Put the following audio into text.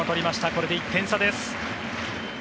これで１点差です。